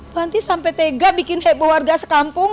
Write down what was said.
bu hanti sampai tega bikin heboh warga sekampung